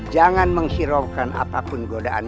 jangan menghiraukan apapun godaan